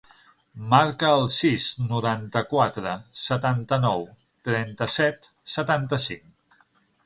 Marca el sis, noranta-quatre, setanta-nou, trenta-set, setanta-cinc.